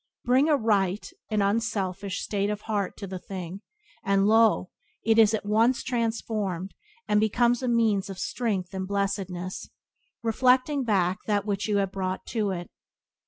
Bring a right, an unselfish, state of heart to the thing, and lo! it is at once transformed, and becomes a means of strength and blessedness, reflecting back that which you have brought to it.